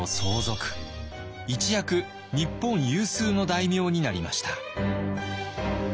一躍日本有数の大名になりました。